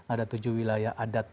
ada tujuh wilayah adat